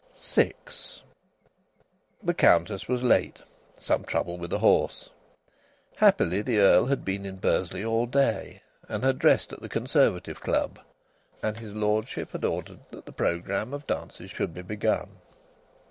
VI The Countess was late; some trouble with a horse. Happily the Earl had been in Bursley all day, and had dressed at the Conservative Club; and his lordship had ordered that the programme of dances should be begun.